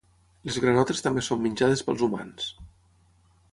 Les granotes també són menjades pels humans.